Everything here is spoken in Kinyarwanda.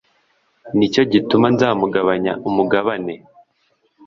ni cyo gituma nzamugabanya umugabane